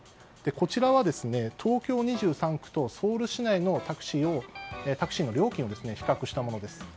こちらは、東京２３区とソウル市内のタクシーの料金を比較したものです。